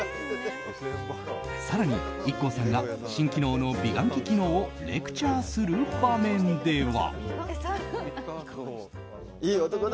更にＩＫＫＯさんが新機能の美顔器機能をレクチャーする場面では。